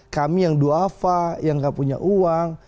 kami yang duafa yang gak punya uang